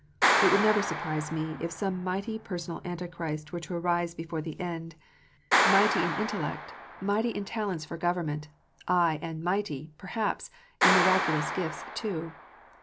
It would never surprise me if some mighty personal Antichrist were to arise before the end, mighty 406 KNOTS UNTIED. in intellect, mighty in talents for government, aye, and mighty, perhaps, in miraculous gifts too.